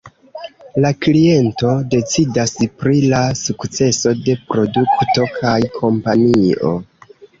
La kliento decidas pri la sukceso de produkto kaj kompanio.